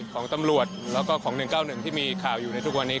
ของตำรวจแล้วก็ของ๑๙๑ที่มีข่าวอยู่ในทุกวันนี้